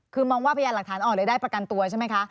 คือมองว่าพยานหลักฐานอ่อนเลยได้ประกันตัวใช่ไหมคะ